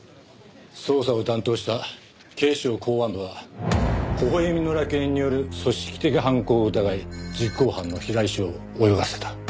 捜査を担当した警視庁公安部は微笑みの楽園による組織的犯行を疑い実行犯の平井翔を泳がせた。